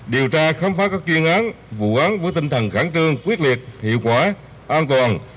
điều tra khám phá các chuyên án vụ án với tinh thần khẳng trương quyết liệt hiệu quả an toàn